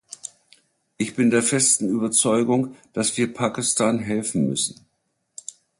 Ich bin der festen Überzeugung, dass wir Pakistan helfen müssen.